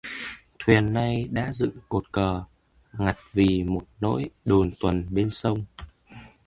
Thuyền nay đã dựng cột cờ, ngặt vì một nỗi đồn tuần bên sông